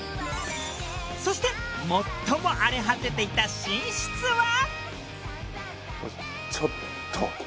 そして最も荒れ果てていた寝室は。